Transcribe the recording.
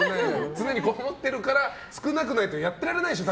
常にこもってるから少なくないとやってられないでしょ。